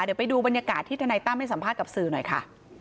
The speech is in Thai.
เดี๋ยวไปดูบรรยากาศที่ทนายตั้มให้สัมภาษณ์กับสื่อหน่อยค่ะ